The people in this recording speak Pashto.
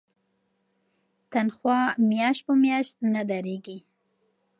تنخوا میاشت په میاشت نه دریږي.